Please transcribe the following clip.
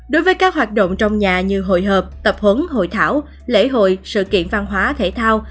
đối với các hoạt động trong nhà như hội hợp tập huấn hội thảo lễ hội sự kiện văn hóa thể thao